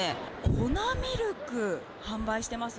粉ミルク販売してます。